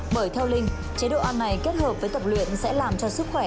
bởi theo linh chế độ ăn này kết hợp với tập luyện sẽ làm cho sức khỏe